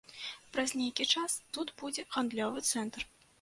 Праз нейкі час тут будзе гандлёвы цэнтр.